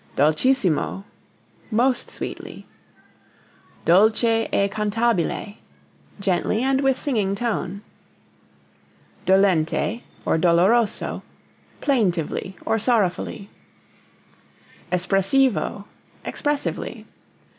Dolcissimo most sweetly. Dolce e cantabile gently and with singing tone. Dolente } Doloroso } plaintively or sorrowfully. Espressivo expressively.